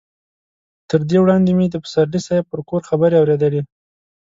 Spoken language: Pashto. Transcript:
تر دې وړاندې مې د پسرلي صاحب پر کور خبرې اورېدلې.